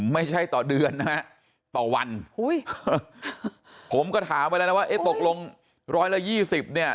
ไม่ใช่ต่อเดือนนะต่อวันผมก็ถามไปแล้วว่าตกลง๑๒๐บาทเนี่ย